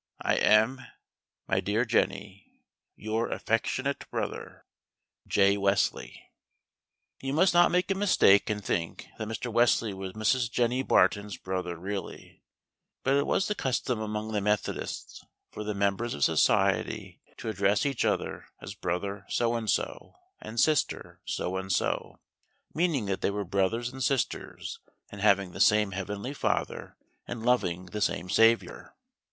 I am, My Dear Jenny, Y^r affectionate Brother JWesley You must not make a mistake and think that Mr. Wesley was Mrs. Jenny Barton's brother really; but it was the custom among the Methodists for the members of society to address each other as "Brother So and So" and "Sister So and So," meaning that they were brothers and sisters in having the same heavenly Father, and loving the same Saviour.